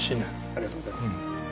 ありがとうございます。